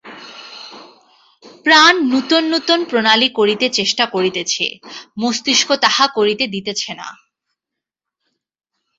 প্রাণ নূতন নূতন প্রণালী করিতে চেষ্টা করিতেছে, মস্তিষ্ক তাহা করিতে দিতেছে না।